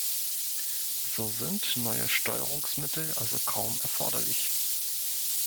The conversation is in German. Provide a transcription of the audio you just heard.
So sind neue Steuerungsmittel also kaum erforderlich.